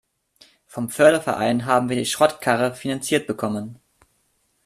Vom Förderverein haben wir die Schrottkarre finanziert bekommen.